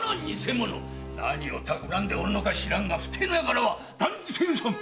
何を企んでおるのか知らぬが不逞な輩は断じて許さぬ！